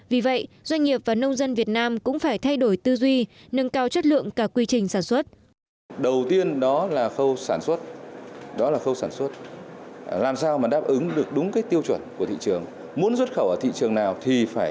vì vậy doanh nghiệp và nông dân việt nam cũng phải thay đổi tư duy nâng cao chất lượng cả quy trình sản xuất